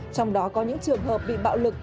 trong đó có những trường hợp bị bạo lực